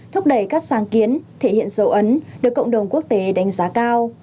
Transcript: thúc đẩy các sáng kiến thể hiện dấu ấn được cộng đồng quốc tế đánh giá cao